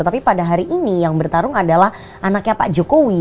tapi pada hari ini yang bertarung adalah anaknya pak jokowi